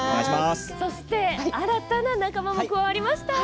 そして新たな仲間も加わりました。